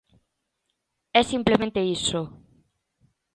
É simplemente iso.